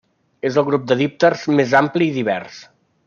És el grup de dípters més ampli i divers.